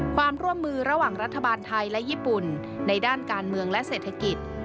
ความร่วมมือระหว่างรัฐบาลไทยและญี่ปุ่นในด้านการเมืองและเศรษฐกิจ